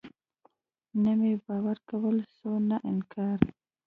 نه مې باور کولاى سو نه انکار.